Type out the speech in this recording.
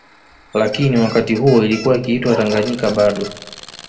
Lakini wakati huo ilikuwa ikiitwa Tanganyika bado